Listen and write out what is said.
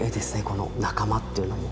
この「仲間」っていうのも。